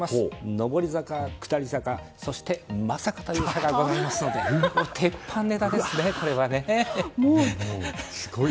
上り坂、下り坂そしてまさかという坂がありますので鉄板ネタですね。